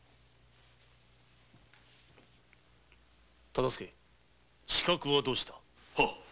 忠相刺客はどうした？